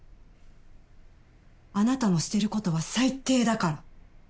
あなたのしてることは最低だから。